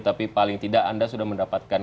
tapi paling tidak anda sudah mendapatkan